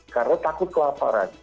karena takut kelaparan